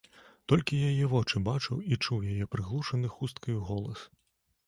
Толькі яе вочы бачыў і чуў яе прыглушаны хусткаю голас.